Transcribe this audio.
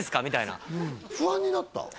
みたいな不安になった？